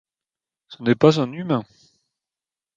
Ce n'est pas un humain.